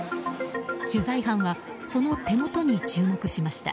取材班はその手元に注目しました。